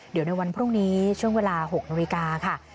เดี๋ยวในวันพรุ่งนี้ช่วงเวลา๖นาฬิกาค่ะ